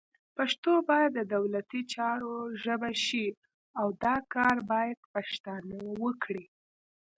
پښتو باید د دولتي چارو ژبه شي، او دا کار باید پښتانه وکړي